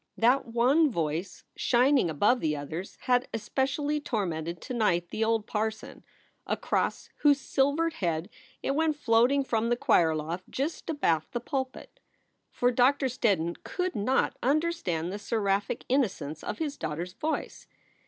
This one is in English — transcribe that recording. That one voice, shining above the others, had especially tormented to night the old parson, across whose silvered head it went floating from the choir loft just abaft the pulpit. For Doctor Steddon could not understand the seraphic innocence of his daughter s voice.